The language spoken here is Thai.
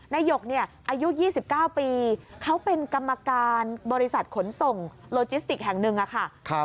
หยกเนี่ยอายุ๒๙ปีเขาเป็นกรรมการบริษัทขนส่งโลจิสติกแห่งหนึ่งค่ะ